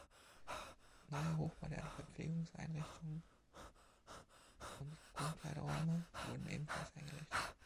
Neue, hochmoderne Verpflegungseinrichtungen und Umkleideräume wurden ebenfalls eingerichtet.